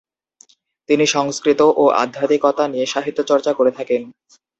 তিনি সংস্কৃতি ও আধ্যাত্মিকতা নিয়ে সাহিত্যচর্চা করে থাকেন।